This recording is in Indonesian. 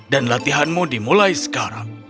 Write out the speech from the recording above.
dan latihanmu dimulai sekarang